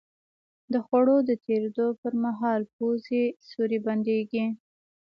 د خوړو د تېرېدو په مهال پوزې سوری بندېږي.